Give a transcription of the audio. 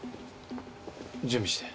準備して。